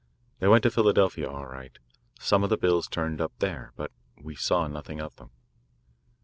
They went to Philadelphia all right; some of the bills turned up there. But we saw nothing of them.